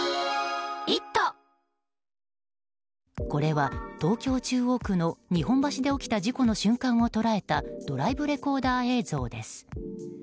これは東京・中央区の日本橋で起きた事故の瞬間を捉えたドライブレコーダー映像です。